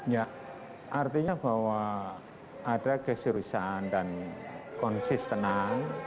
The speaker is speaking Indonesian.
ya artinya bahwa ada keseriusan dan konsistenan